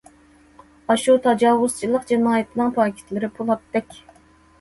ئاشۇ تاجاۋۇزچىلىق جىنايىتىنىڭ پاكىتلىرى پولاتتەك.